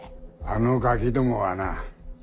あのガキどもはな